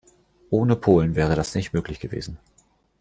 Ohne Polen wäre das nicht möglich gewesen.